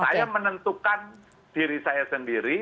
saya menentukan diri saya sendiri